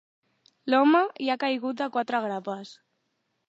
L'home hi ha caigut de quatre grapes.